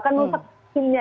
akan merusak mesinnya